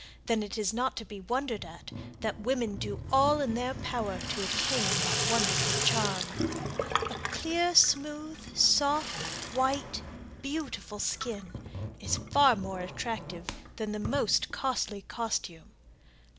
Then it is not to be wondered at that women do all in their power to attain that wonderful charm. A clear, smooth, soft, white, beautiful skin is far more attractive than the most costly costume.